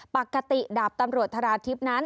ปกติดาบตำรวจธราทิพย์นั้น